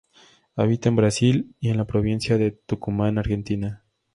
Habita en Brasil, y en la Provincia de Tucumán, Argentina.